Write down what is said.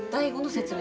説明？